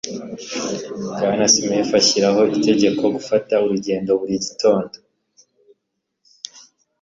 Bwana Smith ashyiraho itegeko gufata urugendo buri gitondo